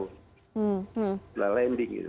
setelah landing gitu